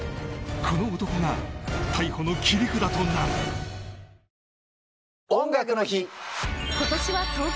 この男が逮捕の切り札となるナマコ